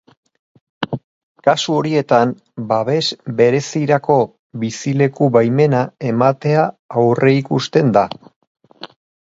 Kasu horietan, babes berezirako bizileku-baimena ematea aurreikusten da.